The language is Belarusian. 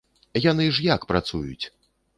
Яны ж як працуюць?